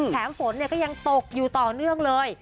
แถมฝนเนี่ยก็ยังตกอยู่ต่อเนื่องเลย